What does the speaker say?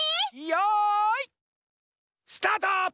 よいスタート！